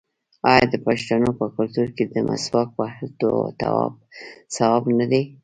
آیا د پښتنو په کلتور کې د مسواک وهل ثواب نه دی؟